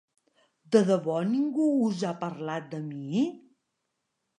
De debò ningú no us ha parlat de mi?